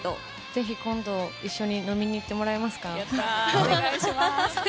ぜひ今度一緒に飲みに行ってもらえますか？